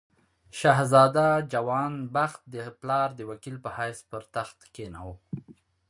شهزاده جوان بخت د پلار د وکیل په حیث پر تخت کښېناوه.